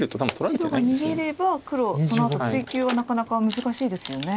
白が逃げれば黒そのあと追及はなかなか難しいですよね。